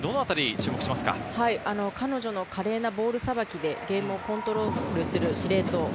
彼女の華麗なボールさばきでゲームをコントロールする司令塔。